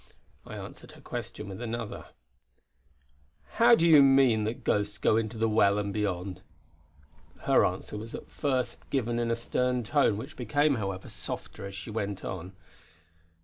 I answered her question with another: "How do you mean that ghosts go into the well and beyond?" Her answer was at the first given in a stern tone which became, however, softer, as she went on.